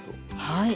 はい。